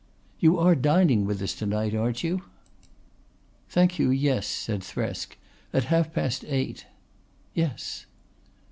"You are dining with us to night, aren't you." "Thank you, yes," said Thresk. "At half past eight." "Yes."